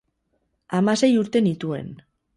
Hamasei urte nituen.